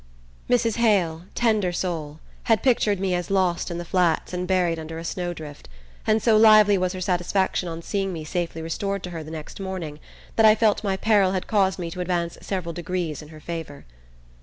Mrs. Hale, tender soul, had pictured me as lost in the Flats and buried under a snow drift; and so lively was her satisfaction on seeing me safely restored to her the next morning that I felt my peril had caused me to advance several degrees in her favour.